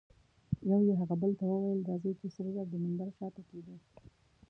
یوه یې هغه بل ته وویل: راځئ چي سره زر د منبر شاته کښېږدو.